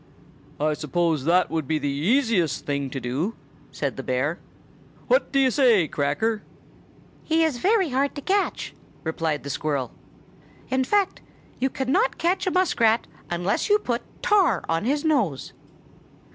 "I suppose that would be the easiest thing to do," said the bear. "What do you say, Cracker?" "He is very hard to catch," replied the squirrel. "In fact, you cannot catch a muskrat unless you put tar on his nose."